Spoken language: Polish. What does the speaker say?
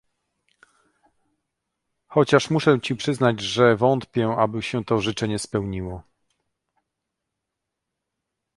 "Chociaż muszę ci przyznać, że wątpię aby się to życzenie spełniło."